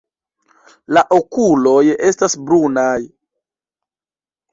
La okuloj estas brunaj.